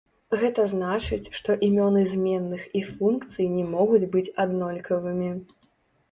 Гэта значыць, што імёны зменных і функцый не могуць быць аднолькавымі.